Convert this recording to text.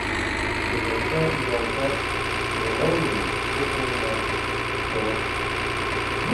ہِجرتِیاں اِجازہ مِلَیں مِلیۡ بُٹؤں نہ پھېں،